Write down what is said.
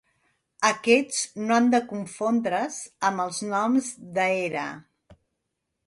Aquests no han de confondre's amb els noms d'era.